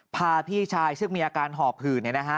พาพี่ชายซึ่งมีอาการหอบหื่น